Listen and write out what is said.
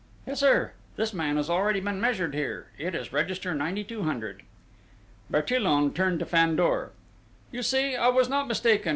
"Yes, sir. This man has already been measured here. It is register 9200." Bertillon turned to Fandor: "You see, I was not mistaken!